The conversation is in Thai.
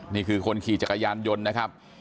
นี่คือคนขี่จักรยานยนต์นะครับ